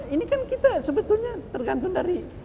ini kan kita sebetulnya tergantung dari